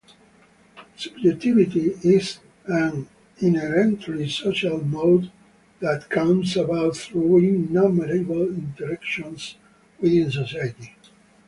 Subjectivity is an inherently social mode that comes about through innumerable interactions within society.